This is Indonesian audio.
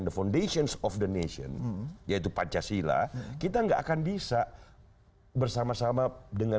the foundation of the nation yaitu pancasila kita enggak akan bisa bersama sama dengan